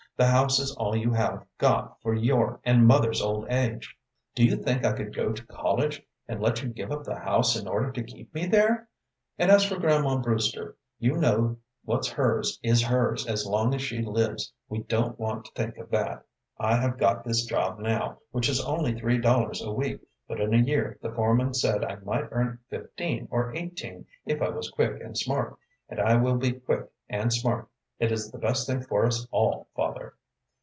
The house is all you have got for your and mother's old age. Do you think I could go to college, and let you give up the house in order to keep me there? And as for grandma Brewster, you know what's hers is hers as long as she lives we don't want to think of that. I have got this job now, which is only three dollars a week, but in a year the foreman said I might earn fifteen or eighteen, if I was quick and smart, and I will be quick and smart. It is the best thing for us all, father."